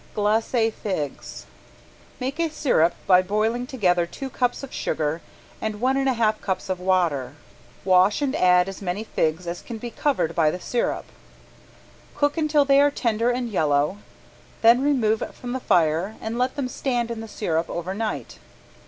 ~GLACE FIGS~ Make a sirup by boiling together two cups of sugar and one and a half cups of water. Wash and add as many figs as can be covered by the sirup. Cook until they are tender and yellow, then remove from the fire and let them stand in the sirup over night.